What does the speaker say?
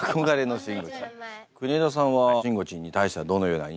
国枝さんはしんごちんに対してはどのような印象。